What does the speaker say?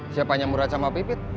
siapanya murah sama pipit